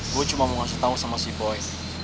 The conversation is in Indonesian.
gue cuma mau ngasih tau sama si boy